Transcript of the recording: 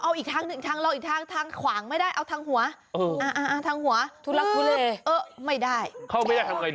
เอาที่ตรงที่ตักมันไปเลยดีกว่าครับเอาที่ตรงที่ตักมันไปเลยดีกว่าครับ